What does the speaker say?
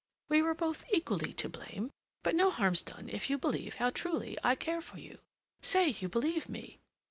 We were both equally to blame, but no harm's done if you believe how truly I care for you. Say you believe me!"